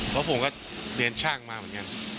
เพราะผมก็เรียนช่างมาเหมือนกัน